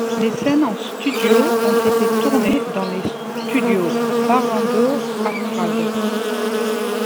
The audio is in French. Les scènes en studio ont été tournées dans les studios Barrandov à Prague.